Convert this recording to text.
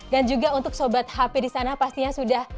dan juga untuk sobat hp di sana pastinya sudah